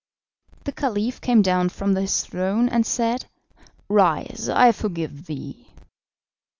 The Caliph came down from his throne, and said: "Rise, I forgive thee."